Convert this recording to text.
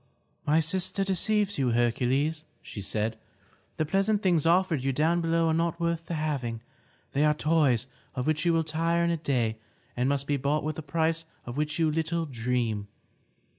"My sister deceives you, Hercules," said she. "The pleasant things offered you down below are not worth the having. They are toys of which you will tire in a day and must be bought with a price of which you little dream.